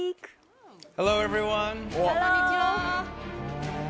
こんにちは。